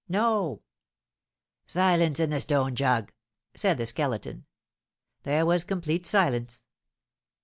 "No!" "Silence in the stone jug!" said the Skeleton. There was complete silence.